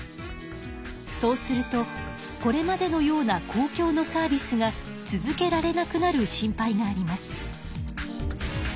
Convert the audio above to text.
そうするとこれまでのような公共のサービスが続けられなくなる心配があります。